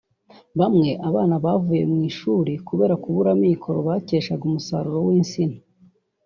bamwe abana bavaye mu ishuri kubera kubura amikoro bakeshaga umusaruro w’ insina